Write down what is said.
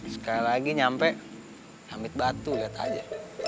sekali lagi nyampe ambil batu liat aja